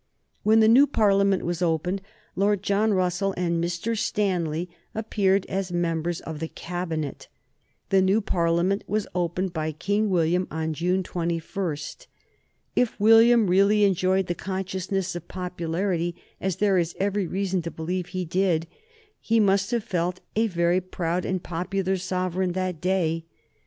When the new Parliament was opened, Lord John Russell and Mr. Stanley appeared as members of the Cabinet. The new Parliament was opened by King William on June 21. If William really enjoyed the consciousness of popularity, as there is every reason to believe he did, he must have felt a very proud and popular sovereign that day.